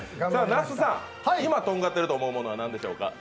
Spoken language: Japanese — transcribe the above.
那須さん、今とんがっていると思うものは何でしょうか？